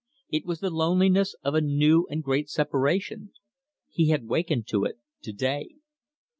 It was the loneliness of a new and great separation. He had wakened to it to day.